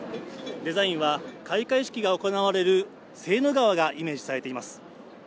デザインは開会式が行われるセーヌ川がイメージされています